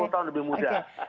sepuluh tahun lebih muda